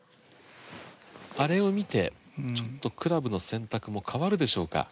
あれを見てちょっとクラブの選択も変わるでしょうか？